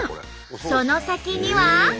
その先には。